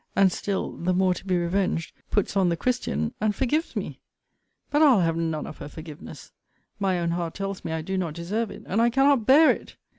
And still, the more to be revenged, puts on the Christian, and forgives me. But I'll have none of her forgiveness! My own heart tells me I do not deserve it; and I cannot bear it!